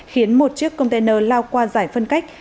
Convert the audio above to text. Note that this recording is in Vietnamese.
khiến một chiếc container lao qua giải phân cách